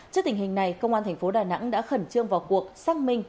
trước tình hình này công an tp đà nẵng đã khẩn trương vào cuộc xác minh